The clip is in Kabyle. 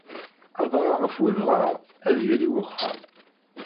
Adɣaɣ af wedɣaɣ, ad yali wexxam.